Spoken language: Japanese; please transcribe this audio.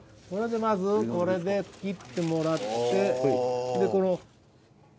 これでまずこれで切ってもらって。